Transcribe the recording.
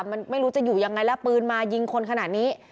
มันไม่รู้จะอยู่ยังไงแล้วปืนมายิงคนขนาดนี้